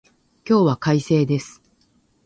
今日は快晴です。